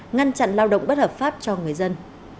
ngăn chặn lao động bất hợp pháp cho người dân